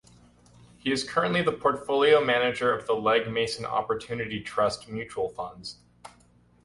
He is currently the portfolio manager of the Legg Mason Opportunity Trust mutual funds.